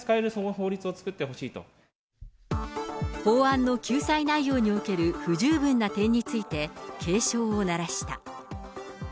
法案の救済内容における不十分な点について警鐘を鳴らした。